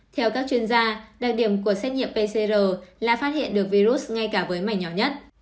theo các chuyên gia đặc điểm của xét nghiệm pcr là phát hiện được virus ngay cả với mảnh nhỏ nhất